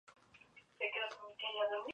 Es la sede del Condado de Montgomery.